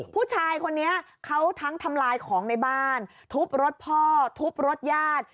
ผู้ชายคนนี้เขาทั้งทำลายของในบ้านทุบรถพ่อทุบรถญาติ